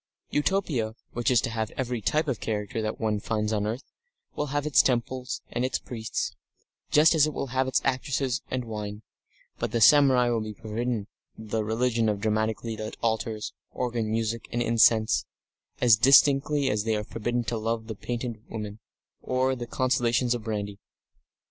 Utopia, which is to have every type of character that one finds on earth, will have its temples and its priests, just as it will have its actresses and wine, but the samurai will be forbidden the religion of dramatically lit altars, organ music, and incense, as distinctly as they are forbidden the love of painted women, or the consolations of brandy.